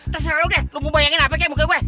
terus sekarang lo deh lo mau bayangin apa kayak muka gue